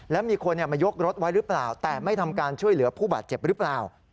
แล้วมีคนมายกรถไว้หรือเปล่าแต่ไม่ทำการช่วยเหลือผู้บาดเจ็บหรือเปล่า